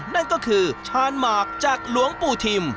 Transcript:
นั่นก็คือชาญหมากจากหลวงปู่ทิม